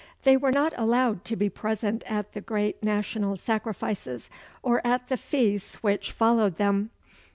They were not allowed to be present at the great national sacrifices, or at the feasts which followed them.